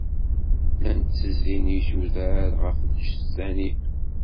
Llan tezzin ijudar ɣef lǧetta-nni.